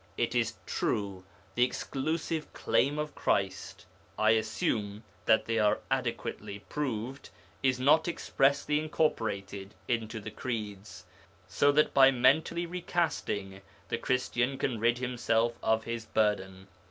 It is true, the exclusive claim of Christ (I assume that they are adequately proved) is not expressly incorporated into the Creeds, so that by mentally recasting the Christian can rid himself of his burden.